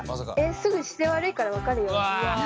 すぐ姿勢悪いから分かるよみたいな。